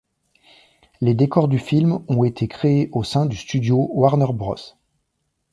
Les décors du film ont été créés au sein du studio Warner Bros.